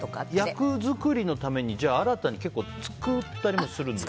役作りのために新たに結構作ったりもするんですか？